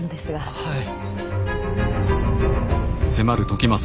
はい。